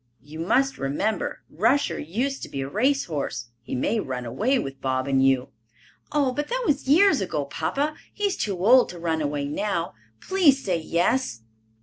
"You must remember, Rusher used to be a race horse. He may run away with Bob and you." "Oh, but that was years ago, papa. He is too old to run away now. Please say yes."